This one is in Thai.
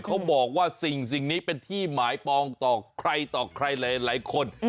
เขาบอกว่าสิ่งนี้เป็นที่หมายปองต่อใครต่อใครหลายคน